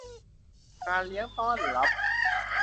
งานเลี้ยงต้อนรับ